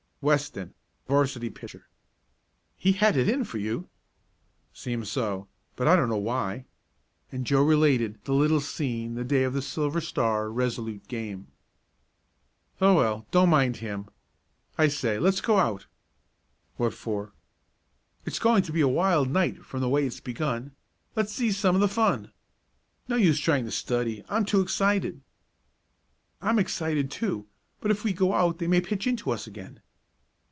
"Weston 'varsity pitcher." "He had it in for you." "Seemed so, but I don't know why," and Joe related the little scene the day of the Silver Star Resolute game. "Oh, well, don't mind him. I say, let's go out." "What for?" "It's going to be a wild night from the way it's begun. Let's see some of the fun. No use trying to study, I'm too excited." "I'm excited too. But if we go out they may pitch onto us again."